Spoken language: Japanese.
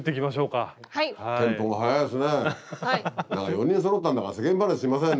４人そろったんだから世間話しません？